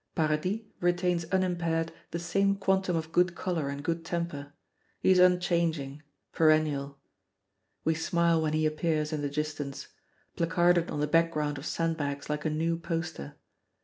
Paradis retains unimpaired the same quantum of good color and good temper; he is unchanging, perennial. We smile when he appears in the distance, placarded on the background of sandbags like a new poster.